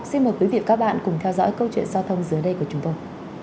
xin mời quý vị và các bạn cùng theo dõi câu chuyện giao thông dưới đây của chúng tôi